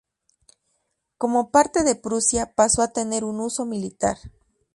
Como parte de Prusia, pasó a tener un uso militar.